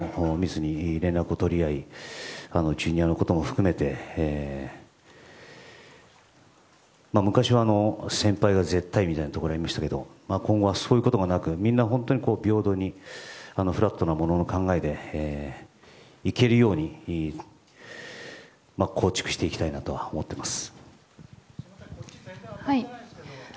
ただ、それを経験していますから井ノ原とも密に連絡を取り合いＪｒ．のことも含めて昔は先輩が絶対みたいなところもありましたが今後はそういうこともなくみんなが平等にフラットなものの考えで行けるように構築していきたいなと思っています。